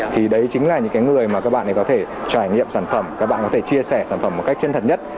thì đấy chính là những người mà các bạn ấy có thể trải nghiệm sản phẩm các bạn có thể chia sẻ sản phẩm một cách chân thật nhất